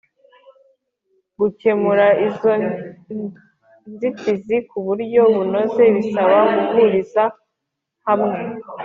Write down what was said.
gukemura izo nzitizi ku buryo bunoze bisaba guhuriza hamwe